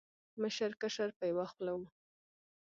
مشر، کشر په یو خوله و